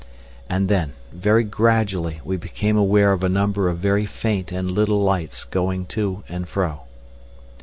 And then very gradually we became aware of a number of very faint and little lights going to and fro.